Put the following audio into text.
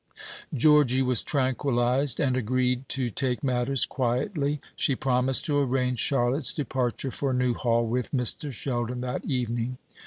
Georgy was tranquillised, and agreed to take matters quietly. She promised to arrange Charlotte's departure for Newhall, with Mr. Sheldon, that evening.